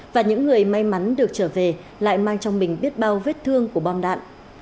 và những người may mắn được trở về lại mang trong mình biết bao vết thương của bom đạn